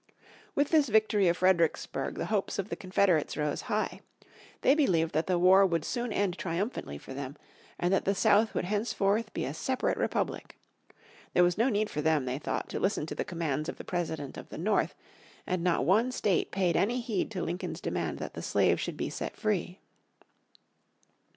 With this victory of Fredericksburg the hopes of the Confederates rose high. They believed that the war would soon end triumphantly for them, and that the South would henceforth be a separate republic. There was no need for them, they thought, to listen to the commands of the President of the North, and not one state paid any heed to Lincoln's demand that the slaves should be set free.